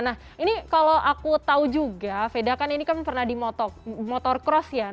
nah ini kalau aku tahu juga veda kan ini kan pernah di motorcross ya